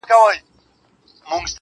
گراني انكار.